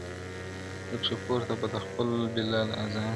پکښی پورته به د خپل بلال آذان سي-